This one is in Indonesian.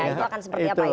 itu akan seperti apa itu